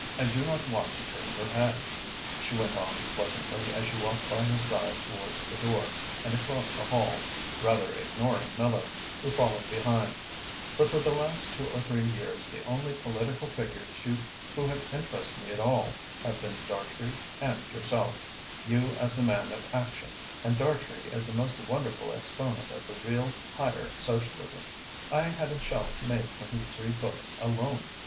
I do not want to turn your head," she went on pleasantly, as she walked by his side towards the door and across the hall, rather ignoring Miller, who followed behind, "but for the last two or three years the only political figures who have interested me at all have been Dartrey and yourself you as the man of action, and Dartrey as the most wonderful exponent of the real, higher Socialism. I had a shelf made for his three books alone.